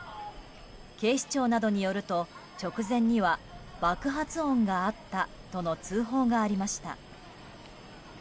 警視庁などによると、直前には爆発音があったとの通報がありました。